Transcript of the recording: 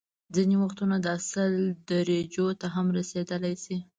ځینې وختونه دا سل درجو ته هم رسيدلی شي